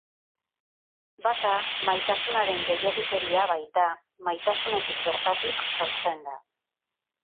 Bata, maitasunaren gehiegikeria baita, maitasunetik bertatik sortzen da.